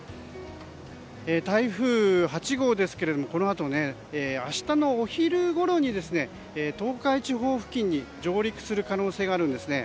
台風８号ですが、このあと明日のお昼ごろに東海地方付近に上陸する恐れがあるんですね。